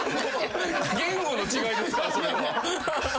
言語の違いですからそれは。